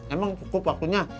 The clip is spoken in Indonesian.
emang cukup waktunya